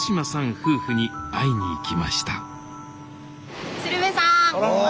夫婦に会いに行きましたあ。